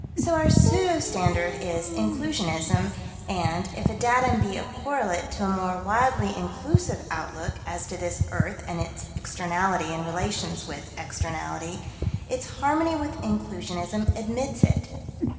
So our pseudo standard is Inclusionism, and, if a datum be a correlate to a more widely inclusive outlook as to this earth and its externality and relations with externality, its harmony with Inclusionism admits it.